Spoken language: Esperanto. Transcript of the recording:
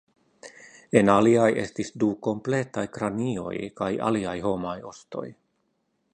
En aliaj estis du kompletaj kranioj kaj aliaj homaj ostoj.